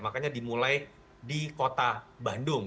makanya dimulai di kota bandung